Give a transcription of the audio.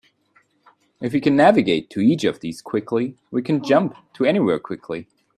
If we can navigate to each of these quickly, we can jump to anywhere quickly.